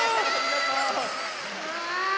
うわ！